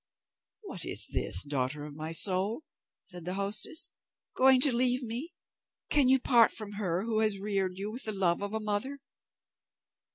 "What is this, daughter of my soul?" said the hostess; "Going to leave me? Can you part from her who has reared you with the love of a mother?"